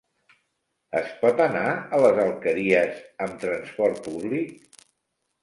Es pot anar a les Alqueries amb transport públic?